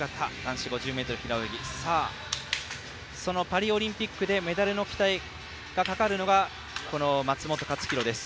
そのパリオリンピックでメダルの期待がかかるのが松元克央です。